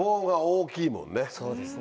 そうですね。